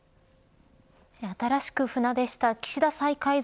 新しく船出した岸田再改造